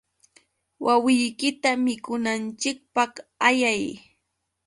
Wawiykita mikunanchikpaq ayay.